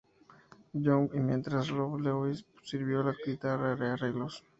Young, y mientras que Rob Lewis sirvió con la guitarra y arreglos.